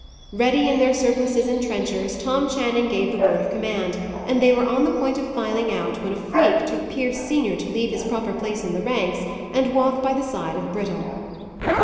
Ready in their surplices and trenchers, Tom Channing gave the word of command, and they were on the point of filing out, when a freak took Pierce senior to leave his proper place in the ranks, and walk by the side of Brittle.